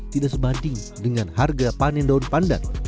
tidak sebanding dengan harga panen daun pandan